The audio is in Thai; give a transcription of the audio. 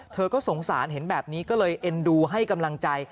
เธอก็สงสารเห็นแบบนี้ก็เลยเอ็นดูให้กำลังใจ